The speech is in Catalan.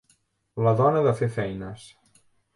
La dona de fer feines.